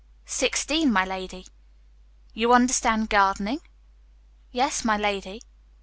"Sixteen, my lady." "You understand gardening?" "Yes, my lady."